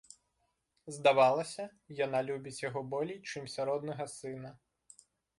Здавалася, яна любіць яго болей, чымся роднага сына.